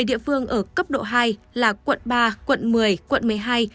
địa phương ở cấp độ hai là quận ba quận một mươi quận một mươi hai